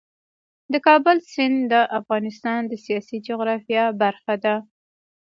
د کابل سیند د افغانستان د سیاسي جغرافیه برخه ده.